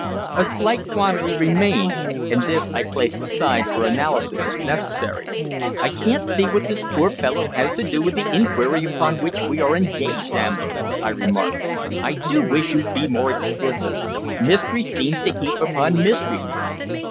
A slight quantity remained, and this I placed aside for analysis if necessary. "I can't see what this poor fellow has to do with the inquiry upon which we are engaged, Ambler," I remarked. "I do wish you'd be more explicit. Mystery seems to heap upon mystery."